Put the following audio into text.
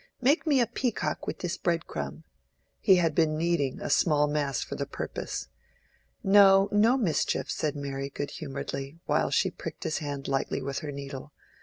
"Make me a peacock with this bread crumb." He had been kneading a small mass for the purpose. "No, no, Mischief!" said Mary, good humoredly, while she pricked his hand lightly with her needle.